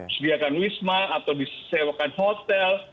disediakan wisma atau disewakan hotel